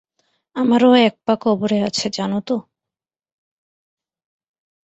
আমারও এক পা কবরে আছে, জানো তো?